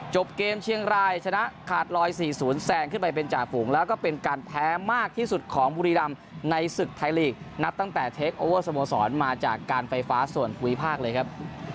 จบเกมเชียงรายชนะขาดลอย๔๐แซงขึ้นไปเป็นจ่าฝูงแล้วก็เป็นการแพ้มากที่สุดของบุรีรำในศึกไทยลีกนับตั้งแต่เทคโอเวอร์สโมสรมาจากการไฟฟ้าส่วนภูมิภาคเลยครับ